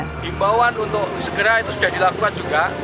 himbauan untuk segera itu sudah dilakukan juga